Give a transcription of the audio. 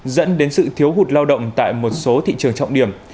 dẫn đến sự thiếu hụt lao động tại một số thị trường trọng điểm